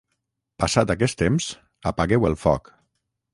passat aquest temps, apagueu el foc